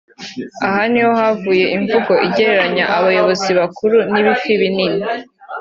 Aha ni ho havuye imvugo igereranya abayobozi bakuru n’ ‘ibifi binini’